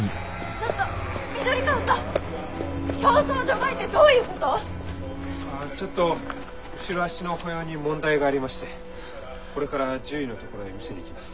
あっちょっと後ろ足の歩様に問題がありましてこれから獣医のところへ診せに行きます。